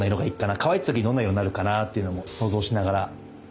乾いた時どんな色になるかなというのも想像しながら。